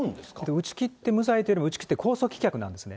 打ち切って無罪というよりは、打ち切って控訴棄却なんですね。